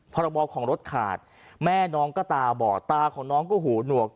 พรบของรถขาดแม่น้องก็ตาบอดตาของน้องก็หูหนวก